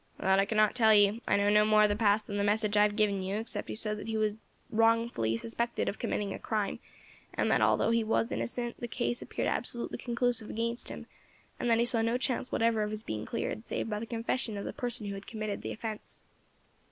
"That I cannot tell you; I know no more of the past than the message I have given you, except he said that he had been wrongfully suspected of committing a crime, and that, although he was innocent, the case appeared absolutely conclusive against him, and that he saw no chance whatever of his being cleared, save by the confession of the person who had committed the offence."